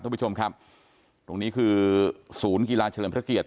ท่านผู้ชมครับตรงนี้คือศูนย์กีฬาเฉลิมพระเกียรติ